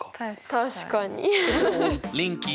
確かに。